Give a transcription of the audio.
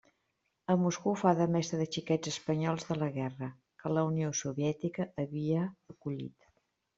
A Moscou fa de mestra de xiquets espanyols de la guerra, que la Unió Soviètica havia acollit.